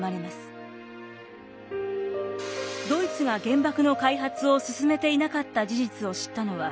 ドイツが原爆の開発を進めていなかった事実を知ったのは後のことでした。